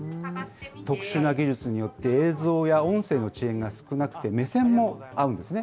特殊な技術によって映像や音声の遅延が少なくて、目線も合うんですね。